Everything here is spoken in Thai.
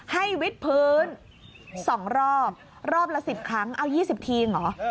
วิทพื้น๒รอบรอบละ๑๐ครั้งเอา๒๐ทีนเหรอ